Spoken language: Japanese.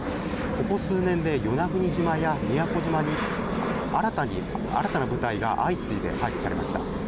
ここ数年で与那国島や宮古島に新たな部隊が相次いで配備されました。